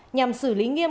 nhằm xử lý nghiêm